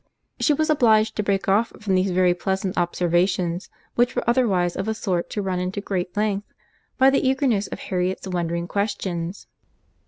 She was obliged to break off from these very pleasant observations, which were otherwise of a sort to run into great length, by the eagerness of Harriet's wondering questions.